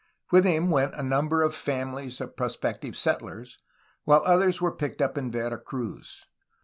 With him went a number of families of prospective settlers, while others were picked up in Vera Cruz.